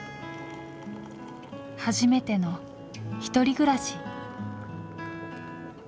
初めての１人暮らし。